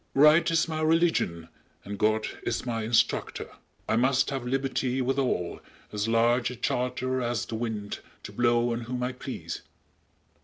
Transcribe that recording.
Right is my religion and God is my instructor! _"I must have liberty Withal, as large a charter as the wind To blow on whom I please."